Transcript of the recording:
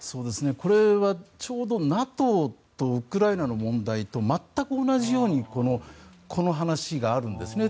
これはちょうどＮＡＴＯとウクライナの問題と全く同じようにこの話があるんですね。